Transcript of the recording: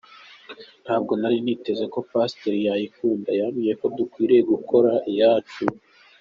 Ntabwo nari niteguye ko Pastor yayikunda, ‘yambwiye ko dukwiye gukora iyacu’”.